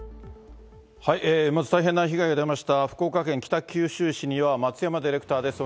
まず大変な被害が出ました、福岡県北九州市には、松山ディレクターです。